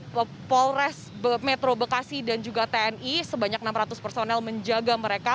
kemudian polres metro bekasi dan juga tni sebanyak enam ratus personel menjaga mereka